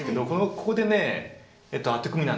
ここでアテコミなんです。